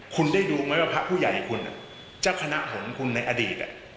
คุณได้ดูไหมว่าพระผู้ใหญ่คุณเจ้าคณะหนคุณในอดีต